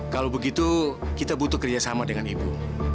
kalau begitu kita butuh kerjasama dengan ibu